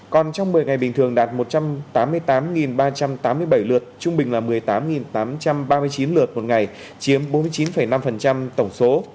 còn trong một mươi ngày bình thường đạt một trăm tám mươi tám ba trăm tám mươi bảy lượt trung bình là một mươi tám tám trăm ba mươi chín lượt một ngày chiếm bốn mươi chín năm tổng số